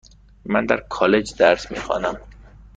من در کالج درس میخوانم.